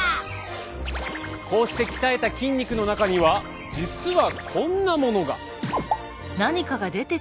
こうして鍛えた筋肉の中には実はこんなものが。